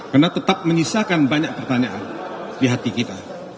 karena tetap menyisakan banyak pertanyaan di hati kita